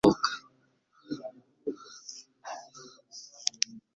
umusaza yitotombera muri dotage ye, umwana arira, ataravuka